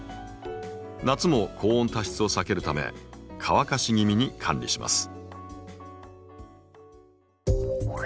夏も高温多湿を避けるため乾かし気味に管理します。